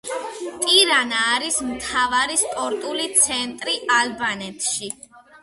ტირანა არის მთავარი სპორტული ცენტრი ალბანეთში.